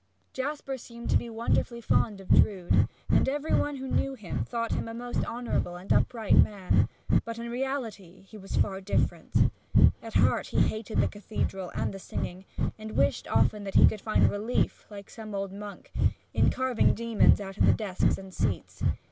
Jasper seemed to be wonderfully fond of Drood, and every one who knew him thought him a most honorable and upright man; but in reality he was far different. At heart he hated the cathedral and the singing, and wished often that he could find relief, like some old monk, in carving demons out of the desks and seats.